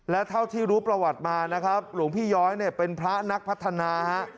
และเท่าที่รู้ประวัติมานะครับหลวงพี่ย้อยเนี่ยเป็นพระนักพัฒนาฮะ